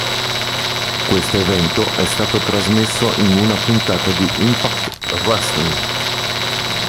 Questo evento è stato trasmesso in una puntata di Impact Wrestling.